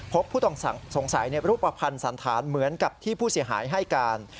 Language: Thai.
ผู้ต้องสงสัยในรูปภัณฑ์สันธารเหมือนกับที่ผู้เสียหายให้การ